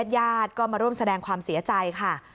ญาติก็มาร่วมแสดงความเสียใจค่ะ